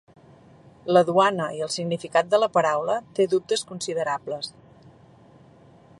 La duana i el significat de la paraula té dubtes considerables.